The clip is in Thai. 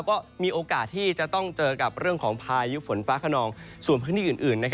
ก็มีโอกาสที่จะต้องเจอกับเรื่องของพายุฝนฟ้าขนองส่วนพื้นที่อื่น